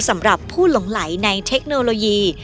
สำหรับผู้หลงไหลในเทคโนโลยี